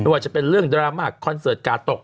ว่าจะเป็นเรื่องดราม่าคอนเสิร์ตกาตก